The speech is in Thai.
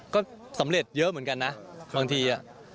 ก็สำเร็จเยอะเหมือนกันนะบางที